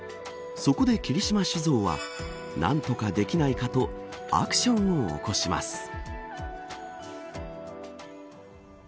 そこで霧島酒造は何とかできないかとアクションを起こします。